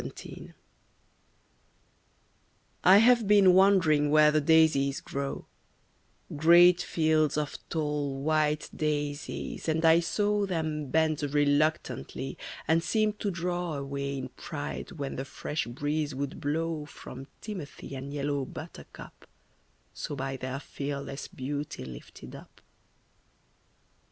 Content. I have been wandering where the daisies grow, Great fields of tall, white daisies, and I saw Them bend reluctantly, and seem to draw Away in pride when the fresh breeze would blow From timothy and yellow buttercup, So by their fearless beauty lifted up.